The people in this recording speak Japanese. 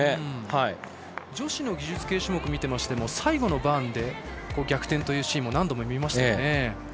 女子の技術系種目を見ていても最後のバーンで逆転というシーンも何度も見ましたね。